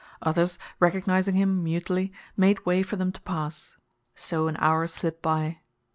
Others, recognizing him mutely, made way for them to pass. So an hour slipped by.